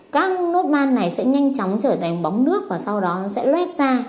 các nốt ban này sẽ nhanh chóng trở thành bóng nước và sau đó sẽ lở lét ra